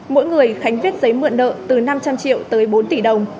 mỗi người khánh viết giấy mượn nợ từ năm trăm linh triệu tới bốn tỷ đồng